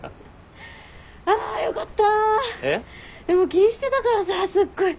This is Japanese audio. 気にしてたからさすっごい。